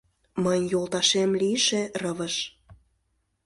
— Мыйын йолташем лийше Рывыж…